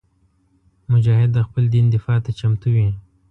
مجاهد د خپل دین دفاع ته چمتو وي.